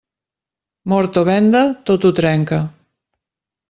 Mort o venda, tot ho trenca.